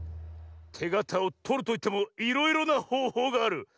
てがたをとるといってもいろいろなほうほうがある。